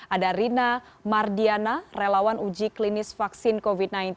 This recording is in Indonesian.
ada rina mardiana relawan uji klinis vaksin covid sembilan belas